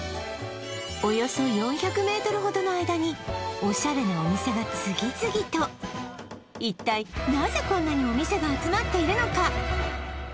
およそ４００ｍほどの間にオシャレなお店が次々と一体なぜこんなにお店が集まっているのか？